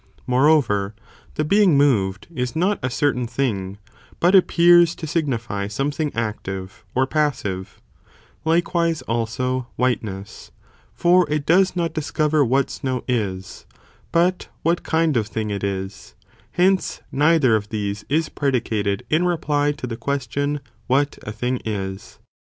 Moreover, the being moved, is not a certain thing, but appears to signify something active, or passive ; likewise also 'whiteness, for i¢ does not discover what snow is, but what kind of thing it is; hence neither of these, is predicated in reply to the question what a thing is.